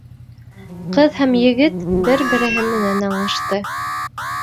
Ҡыҙ һәм егет бер-береһе менән аңлашты.